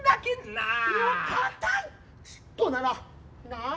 なあ。